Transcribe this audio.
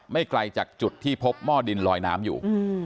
ไกลจากจุดที่พบหม้อดินลอยน้ำอยู่